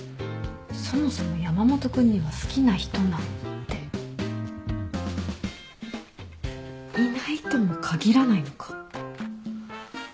そもそも山本君には好きな人なんていないとも限らないのか？